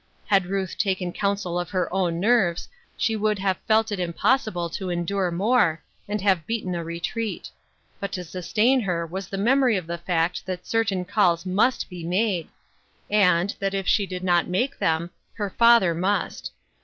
Had Ruth taken counsel of her own nerves, she would have felt it impossible to endure more, and have beaten a retreat; but to sustain her was the memory of the fact that certain calls must be made, and, that if she did not make them, her father must.